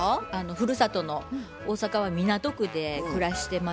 ふるさとの大阪は港区で暮らしてましてね